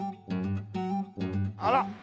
あら！